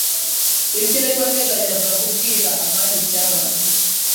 Ni ryari wateganyaga kubwira amani ibyabaye?